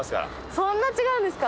そんな違うんですか？